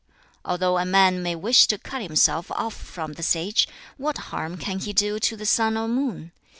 Although a man may wish to cut himself off from the sage, what harm can he do to the sun or moon?